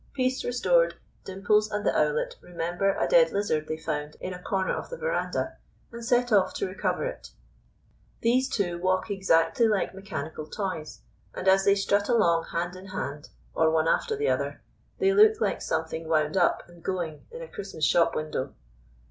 Peace restored, Dimples and the Owlet remember a dead lizard they found in a corner of the verandah, and set off to recover it. These two walk exactly like mechanical toys; and as they strut along hand in hand, or one after the other, they look like something wound up and going, in a Christmas shop window.